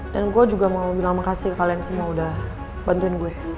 dan gue juga mau bilang makasih ke kalian semua udah bantuin gue